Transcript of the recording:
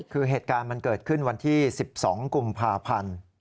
คือเหตุการณ์มันเกิดขึ้นวันที่๑๒กุมภาพันธ์